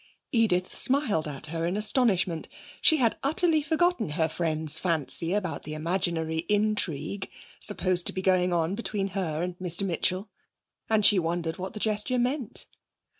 Edith smiled at her in astonishment. She had utterly forgotten her friend's fancy about the imaginary intrigue supposed to be going on between her and Mr Mitchell, and she wondered what the gesture meant.